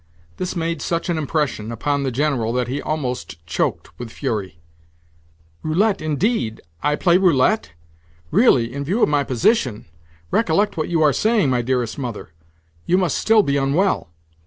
This made such an impression upon the General that he almost choked with fury. "Roulette, indeed? I play roulette? Really, in view of my position—Recollect what you are saying, my dearest mother. You must still be unwell."